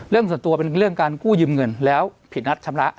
เรื่องส่วนตัวเป็นเรื่องการกู้ยืมเงินแล้วผิดนัดชำระ